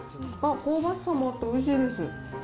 香ばしさもあっておいしいです。